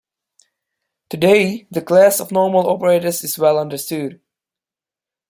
Today, the class of normal operators is well understood.